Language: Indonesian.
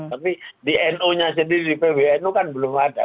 tapi di nu nya sendiri di pbnu kan belum ada